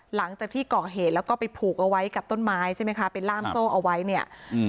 หลังจากที่เกาะเหตุแล้วก็ไปผูกเอาไว้กับต้นไม้ใช่ไหมคะเป็นล่ามโซ่เอาไว้เนี่ยอืม